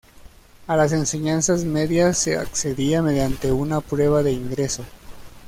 A las enseñanzas medias se accedía mediante una prueba de ingreso.